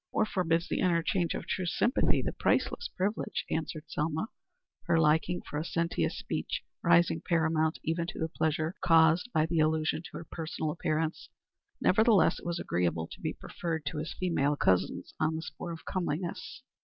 "Or forbids the interchange of true sympathy that priceless privilege," answered Selma, her liking for a sententious speech rising paramount even to the pleasure caused her by the allusion to her personal appearance. Nevertheless it was agreeable to be preferred to his female cousins on the score of comeliness.